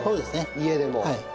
家でも。